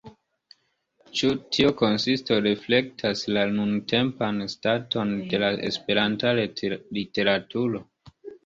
Ĉu tiu konsisto reflektas la nuntempan staton de la Esperanta literaturo?